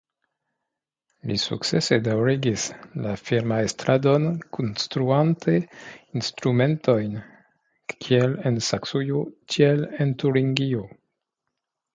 Li sukcese daŭrigis la firmaestradon konstruante instrumentojn kiel en Saksujo tiel en Turingio.